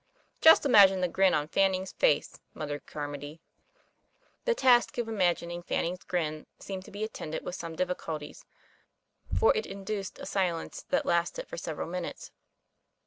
"Just imagine the grin on Fanning's face," mut tered Carmody. The task of imagining Fanning's grin seemed to be attended with some difficulties, for it induced a silence that lasted for several minutes.